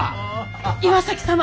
岩崎様